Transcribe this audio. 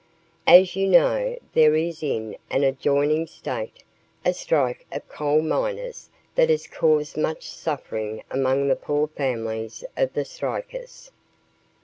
As you know, there is in an adjoining state a strike of coal miners that has caused much suffering among the poor families of the strikers.